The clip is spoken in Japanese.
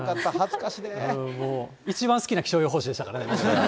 一番好きな気象予報士でした